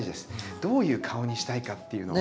どういう顔にしたいかっていうのを。